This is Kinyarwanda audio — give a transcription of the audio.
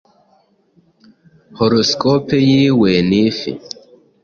Horoscope yiwe ni ifi